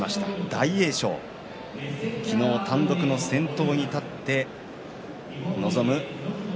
大栄翔、昨日単独先頭に立って臨む